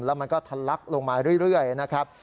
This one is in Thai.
แล้วมันก็ทะลักลงมาเรื่อยนะครับ